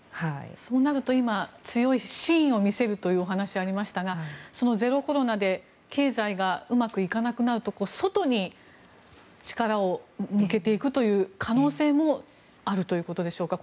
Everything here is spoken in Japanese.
そうなると今強い真意を見せるというお話がありましたがゼロコロナで経済がうまくいかなくなると外に力を向けていくという可能性もあるということでしょうか。